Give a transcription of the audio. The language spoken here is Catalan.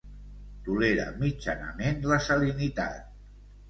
Tolera mitjanament la salinitat.